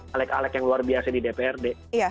alek alek yang luar biasa di dprd